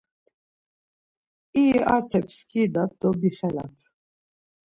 İri arte pskidat do bixelat.